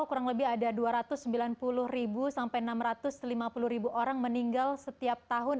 kurang lebih ada dua ratus sembilan puluh sampai enam ratus lima puluh orang meninggal setiap tahun